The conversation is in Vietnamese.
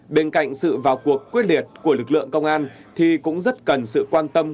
bên cạnh sự vào cuộc quyết liệt của lực lượng công an thì cũng rất cần sự quan tâm